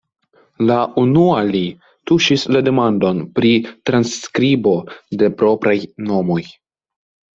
La unua li tuŝis la demandon "Pri transskribo de propraj nomoj".